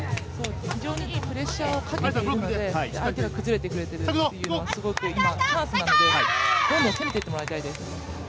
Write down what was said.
非常にいいプレッシャーをかけているので相手が崩れてくれている、チャンスなのでどんどん攻めていってもらいたいです。